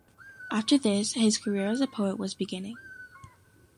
After this, his career as a poet was beginning.